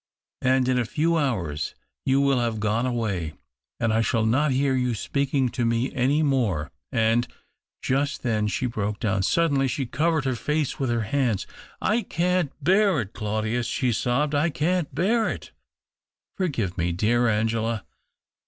And — in a few hours you will have gone away, and I shall not hear you speaking to me any more, and " Just then she broke down. Suddenly she covered her face with her hands —" I can't bear it, Claudius !" she sobbed. " I can't bear it !"" Forgive me, dear Angela."